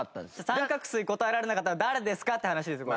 三角錐答えられなかったの誰ですかって話ですよ